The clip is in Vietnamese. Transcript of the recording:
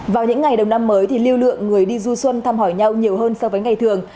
vào những ngày đầu năm mới thì lưu lượng người đi du xuân thăm hỏi nhau nhiều hơn so với ngày thường